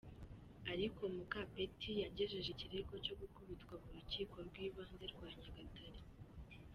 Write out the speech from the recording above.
Ariko Mukapeti yagejeje ikirego cyo gukubitwa mu Rukiko rw’Ibanze rwa Nyagatare.